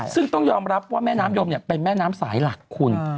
ซึ่งต้องยอมรับว่าแม่น้ำยมเป็นแม่น้ำสายหลักคุณ